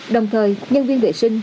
đồng thời nhân viên vệ sinh